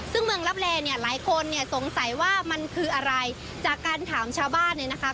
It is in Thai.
ซึ่งเมืองลับแลเนี่ยหลายคนเนี่ยสงสัยว่ามันคืออะไรจากการถามชาวบ้านเนี่ยนะคะ